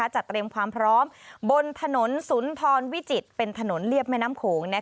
เตรียมความพร้อมบนถนนสุนทรวิจิตรเป็นถนนเรียบแม่น้ำโขง